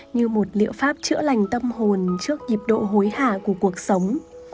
như một liệu pháp chữa lành tâm hồn trước nhịp độ hối hả của cuộc sống